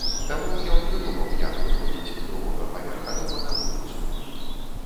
Таму ён прыдумаў, як выходзіць з другога паверха дома на вуліцу.